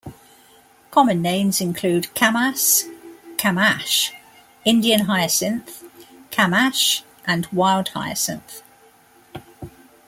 Common names include camas, quamash, Indian hyacinth, camash, and wild hyacinth.